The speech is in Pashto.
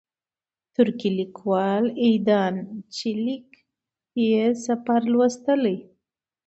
ترکی لیکوال ایدان چیلیک یې سفر لوستلی.